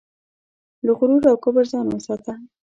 له غرور او کبره ځان وساته.